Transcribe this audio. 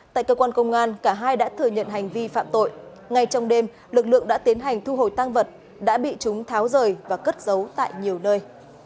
tại cơ quan công an cả hai đã thừa nhận hành vi phạm tội ngay trong đêm lực lượng đã tiến hành thu hồi tăng vật đã bị chúng tháo rời và cất giấu tại nhiều nơi